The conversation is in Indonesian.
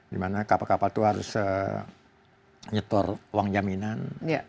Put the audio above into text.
di mana kapal kapal tuh harus nyetor uang jaminan